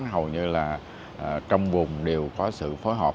hầu như là trong vùng đều có sự phối hợp